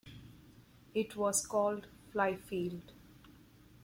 It was called "Fly Field".